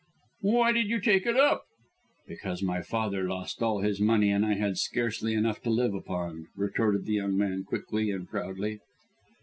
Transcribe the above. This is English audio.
"Why did you take it up? "Because my father lost all his money, and I had scarcely enough to live upon," retorted the young man quickly and proudly.